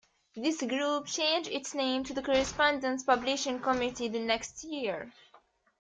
This group changed its name to the Correspondence Publishing Committee the next year.